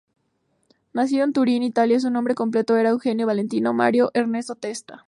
Nacido en Turín, Italia, su nombre completo era Eugenio Valentino Mario Ernesto Testa.